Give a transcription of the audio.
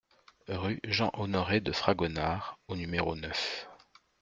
Rue Jean-Honoré de Fragonard au numéro neuf